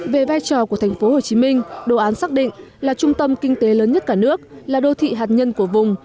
về vai trò của tp hcm đồ án xác định là trung tâm kinh tế lớn nhất cả nước là đô thị hạt nhân của vùng